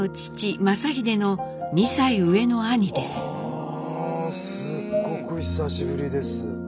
あすっごく久しぶりです。